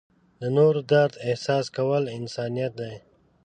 د نورو درد احساس کول انسانیت دی.